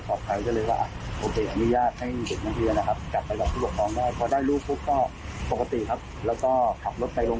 เสพยาด้วยใช่ไหม